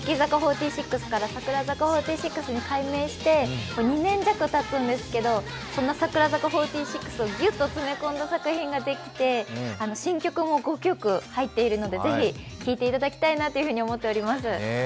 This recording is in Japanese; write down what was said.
欅坂４６から櫻坂４６に改名して２年弱たつんですけれども、その櫻坂４６をぎゅっと詰めたんだ作品ができて新曲も５曲入っているので、ぜひ聴いていただきたいなと思っております。